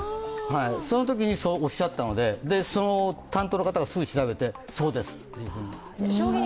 そのときにそうおっしゃったので、その担当の方がすぐ調べて、そうですというふうに。